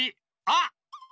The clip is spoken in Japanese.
あっ！